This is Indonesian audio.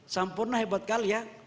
sampurna hebat kalian